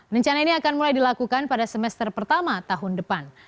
rencana ini akan mulai dilakukan pada semester pertama tahun depan